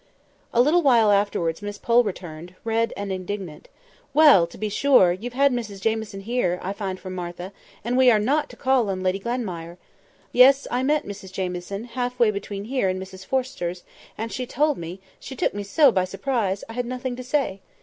A little while afterwards Miss Pole returned, red and indignant. "Well! to be sure! You've had Mrs Jamieson here, I find from Martha; and we are not to call on Lady Glenmire. Yes! I met Mrs Jamieson, half way between here and Mrs Forrester's, and she told me; she took me so by surprise, I had nothing to say.